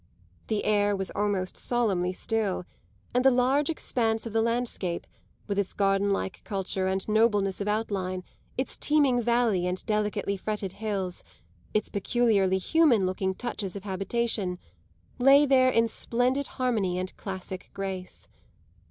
The air was almost solemnly still, and the large expanse of the landscape, with its garden like culture and nobleness of outline, its teeming valley and delicately fretted hills, its peculiarly human looking touches of habitation, lay there in splendid harmony and classic grace.